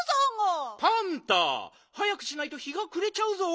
パンタはやくしないと日がくれちゃうぞ。